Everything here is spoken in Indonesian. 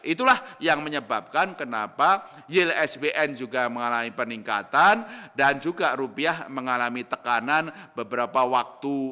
itulah yang menyebabkan kenapa yield sbn juga mengalami peningkatan dan juga rupiah mengalami tekanan beberapa waktu